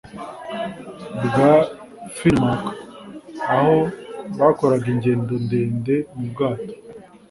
bwa Finnmark aho bakoraga ingendo ndende mu bwato